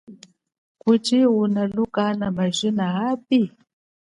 Kuchi unaluka ana majina api?